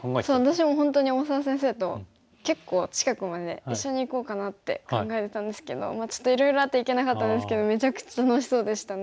私も本当に大澤先生と結構近くまで一緒に行こうかなって考えてたんですけどちょっといろいろあって行けなかったんですけどめちゃくちゃ楽しそうでしたね。